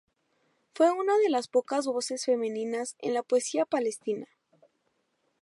Fue una de las pocas voces femeninas en la poesía palestina.